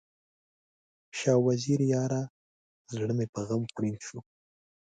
شاه وزیره یاره، زړه مې په غم خوړین شو